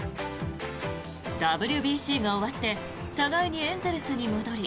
ＷＢＣが終わって互いにエンゼルスに戻り